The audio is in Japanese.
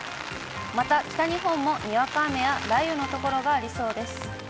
また、北日本もにわか雨や雷雨の所がありそうです。